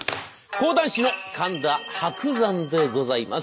講談師の神田伯山でございます。